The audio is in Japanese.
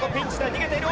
逃げている。